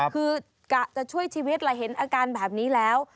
คือกะจะช่วยชีวิตแหละเห็นอาการแบบนี้แล้ว